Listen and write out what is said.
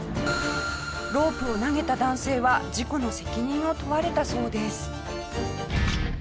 ロープを投げた男性は事故の責任を問われたそうです。